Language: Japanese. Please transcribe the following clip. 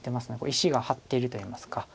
石が張ってるといいますか。